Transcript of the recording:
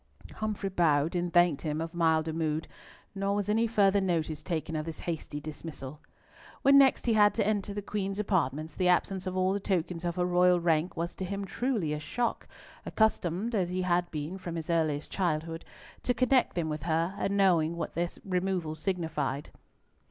Humfrey bowed, and thanked "him of milder mood," nor was any further notice taken of this hasty dismissal. When next he had to enter the Queen's apartments, the absence of all the tokens of her royal rank was to him truly a shock, accustomed as he had been, from his earliest childhood, to connect them with her, and knowing what their removal signified.